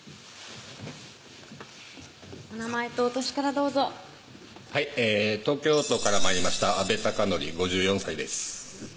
お名前とお歳からどうぞはい東京都から参りました阿部孝則５４歳です